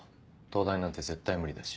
東大なんて絶対無理だし。